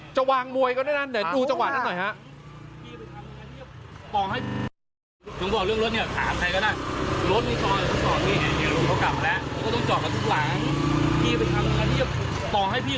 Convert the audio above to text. จะวางมวยกันด้วยนะเดี๋ยวดูจังหวะนั้นหน่อยฮะ